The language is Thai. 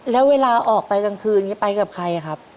แล้วเวลาออกไปกลางคืนนี้ไปกับใครครับ